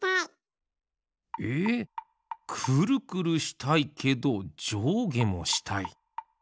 えくるくるしたいけどじょうげもしたい。